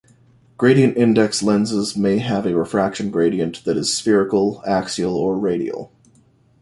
Gradient-index lenses may have a refraction gradient that is spherical, axial, or radial.